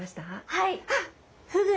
はい！